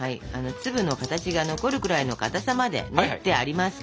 粒の形が残るくらいのかたさまで練ってありますから。